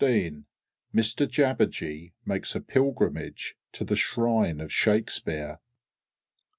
B. J._ XVI _Mr Jabberjee makes a pilgrimage to the Shrine of Shakespeare.